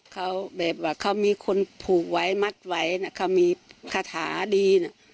แบบว่าเขามีคนผูกไว้มัดไว้มีคาถาดี